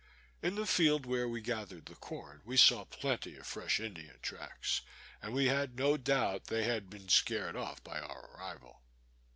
In the field where we gathered the corn we saw plenty of fresh Indian tracks, and we had no doubt they had been scared off by our arrival.